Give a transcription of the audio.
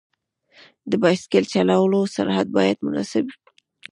د بایسکل چلولو سرعت باید مناسب وي.